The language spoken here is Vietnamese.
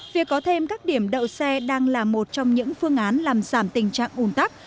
việc có thêm các điểm đậu xe đang là một trong những phương án làm giảm tình trạng ủn tắc